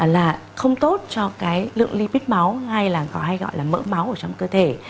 là không tốt cho cái lượng lipid máu hay gọi là mỡ máu ở trong cơ thể